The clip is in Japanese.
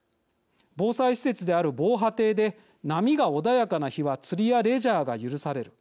防災施設である防波堤で波が穏やかな日は釣りやレジャーが許される。